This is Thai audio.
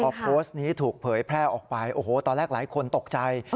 พอโพสต์นี้ถูกเผยแพร่ออกไปโอ้โหตอนแรกหลายคนตกใจ